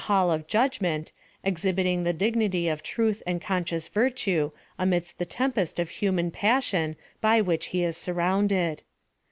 Hall of Judgment, exhibiting the dignity of truth and conscious virtue, amidst tlie tempest of human passion by which he is surrounded.